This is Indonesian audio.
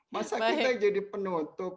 masa kita jadi penutup